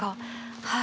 はい。